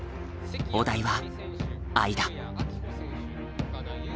お題は「間」。